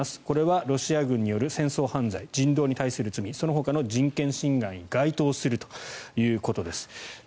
これはロシア軍による戦争犯罪、人道に対する罪そのほかの人権侵害に該当するということです。